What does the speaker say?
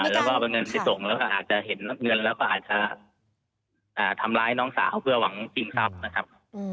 แล้วก็เอาเงินไปส่งแล้วก็อาจจะเห็นเงินแล้วก็อาจจะทำร้ายน้องสาวเพื่อหวังชิงทรัพย์นะครับ